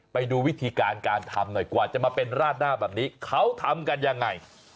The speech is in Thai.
ไปดูวิธีการการทำหน่อยกว่าจะมาเป็นราดหน้าแบบนี้เขาทำกันยังไง